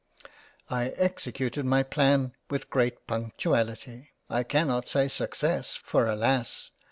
I executed my Plan with great Punctuality. I can not say success, for alas